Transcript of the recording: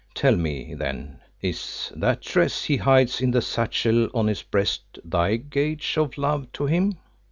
Tell me, then, is that tress he hides in the satchel on his breast thy gage of love to him?"